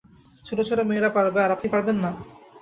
ছোটো ছোটো মেয়েরা পারবে, আর আপনি পারবেন না!